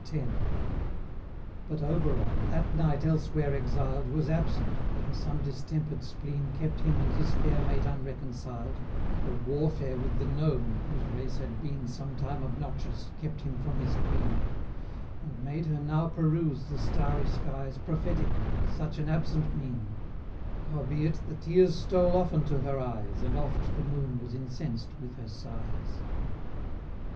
But Oberon, that night elsewhere exiled, Was absent, whether some distemper'd spleen Kept him and his fair mate unreconciled, Or warfare with the Gnome (whose race had been Sometime obnoxious), kept him from his queen, And made her now peruse the starry skies Prophetical, with such an absent mien; Howbeit, the tears stole often to her eyes, And oft the Moon was incensed with her sighs XI.